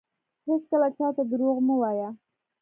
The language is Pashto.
هیڅکله چاته درواغ مه وایه